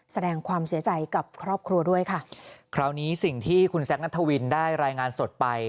แสดงความเสียใจกับครอบครัวด้วยค่ะคราวนี้สิ่งที่คุณแซคนัทวินได้รายงานสดไป